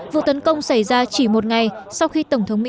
vụ tấn công xảy ra chỉ một ngày sau khi tổng thống mỹ